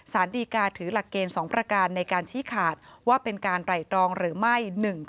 สารดีกาถือหลักเกณฑ์๒ประการในการชี้ขาดว่าเป็นการไหล่ตรองหรือไม่